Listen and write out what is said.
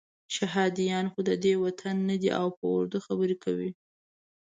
شهادیان خو ددې وطن نه دي او په اردو خبرې کوي.